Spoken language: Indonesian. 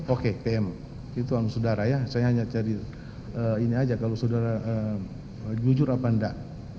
oke pm itu saudara ya saya hanya cari ini aja kalau saudara jujur apa enggak